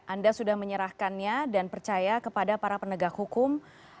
anda sudah menyerahkannya dan percaya kepada para penegak hukum